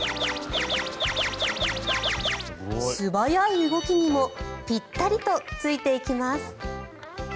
素早い動きにもピッタリとついていきます。